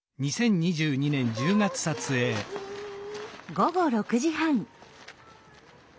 午後６時半。